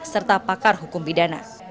serta pakar hukum pidana